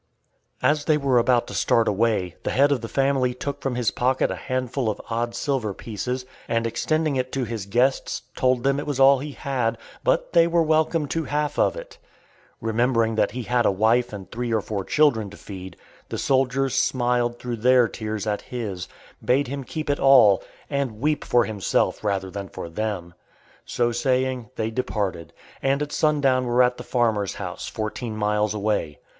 As they were about to start away, the head of the family took from his pocket a handful of odd silver pieces, and extending it to his guests, told them it was all he had, but they were welcome to half of it! Remembering that he had a wife and three or four children to feed, the soldiers smiled through their tears at his, bade him keep it all, and "weep for himself rather than for them." So saying, they departed, and at sundown were at the farmer's house, fourteen miles away.